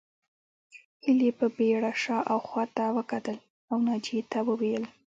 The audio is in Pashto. هيلې په بېړه شا او خواته وکتل او ناجيې ته وویل